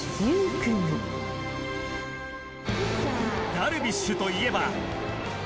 ダルビッシュといえば。